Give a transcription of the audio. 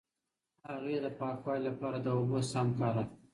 هغې د پاکوالي لپاره د اوبو سم کار اخلي.